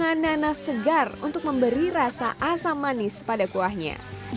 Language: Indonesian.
makanan nanas segar untuk memberi rasa asam manis pada kuahnya